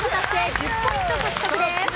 １０ポイント獲得です。